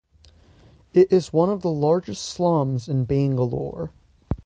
It is one of the largest slums in Bangalore.